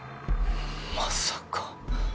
まさか。